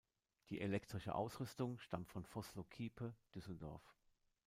Die elektrische Ausrüstung stammt von Vossloh Kiepe, Düsseldorf.